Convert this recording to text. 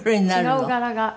違う柄が。